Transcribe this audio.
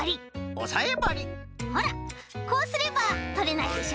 おさえばりほらこうすればとれないでしょ